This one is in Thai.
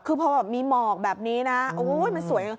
คือพอแบบมีหมอกแบบนี้นะโอ้ยมันสวย